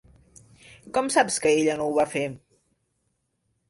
Com saps que ella no ho va fer?